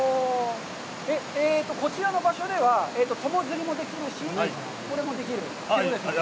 こちらの場所では、友釣りもできるし、これもできるということですね。